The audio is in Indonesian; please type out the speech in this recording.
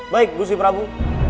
baik bersih prabu